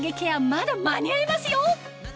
まだ間に合いますよ！